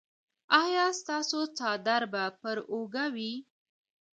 ایا ستاسو څادر به پر اوږه وي؟